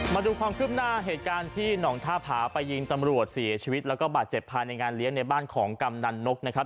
มาดูความคืบหน้าเหตุการณ์ที่หนองท่าผาไปยิงตำรวจเสียชีวิตแล้วก็บาดเจ็บภายในงานเลี้ยงในบ้านของกำนันนกนะครับ